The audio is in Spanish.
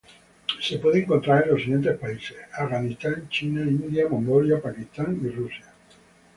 Puede ser encontrada en los siguientes países: Afganistán, China, India, Mongolia, Pakistán y Rusia.